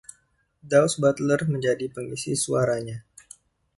Daws Butler menjadi pengisi suaranya.